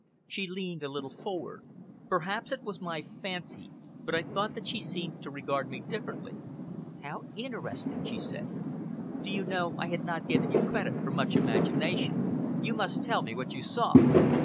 She leaned a little forward. Perhaps it was my fancy, but I thought that she seemed to regard me differently. "How interesting!" she said. "Do you know I had not given you credit for much imagination. You must tell me what you saw!"